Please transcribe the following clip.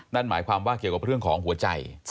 นั่นหมายความว่าเกี่ยวกับเรื่องของหัวใจ